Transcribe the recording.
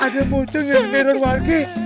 ada mocong yang ngerawal ke